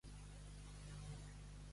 Com es tornen a trobar Pipí i Berta?